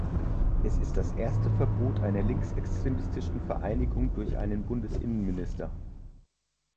Es ist das erste Verbot einer linksextremistischen Vereinigung durch einen Bundesinnenminister.